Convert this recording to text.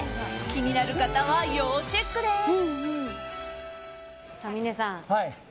気になる方は要チェックです。